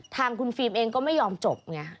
ทางคุณฟิล์มเองก็ไม่ยอมจบอย่างนี้